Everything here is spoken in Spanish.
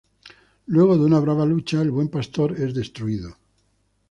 Luego de una brava lucha, el buen pastor es destruido.